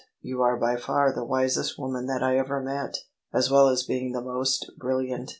You are by far the wisest woman that I ever met, as well as being the most brilliant."